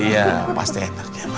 iya pasti enak ya